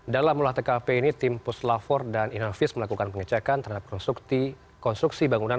dalam olah tkp ini tim puslapor dan inavis melakukan pengecekan terhadap konstruksi bangunan